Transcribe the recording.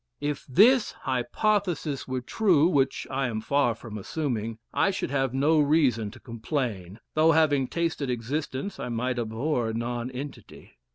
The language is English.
"If this hypothesis were true, which I am far from assuming, I should have no reason to complain, though having tasted existence, I might abhor non entity.